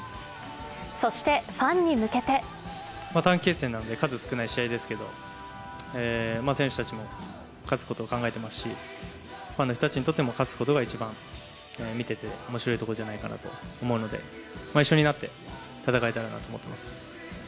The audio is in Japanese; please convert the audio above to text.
そしてファンに向けて短期決戦なので数少ない試合ですけど選手たちも勝つことを考えていますし、ファンの人たちにとっても勝つことが一番見てておもしろいところじゃないかと思うので一緒になって戦えたらなと思っています。